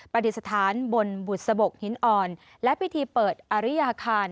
ปฏิสถานบนบุษบกหินอ่อนและพิธีเปิดอริยาคาร